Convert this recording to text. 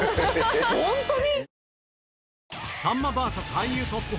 ホントに？